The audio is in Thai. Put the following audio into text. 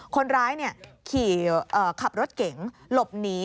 คนร้ายขับรถเก๋งหลบหนี